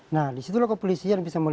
nah disitulah kepolisian bisa melihat